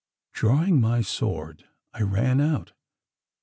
Drawing my sword I ran out.